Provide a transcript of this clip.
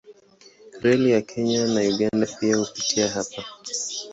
Reli ya Kenya na Uganda pia hupitia hapa.